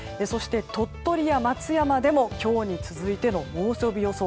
鳥取や松山でも今日に続いての猛暑日予想。